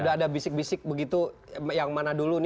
sudah ada bisik bisik begitu yang mana dulu nih